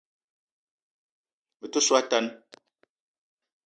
Me te so a tan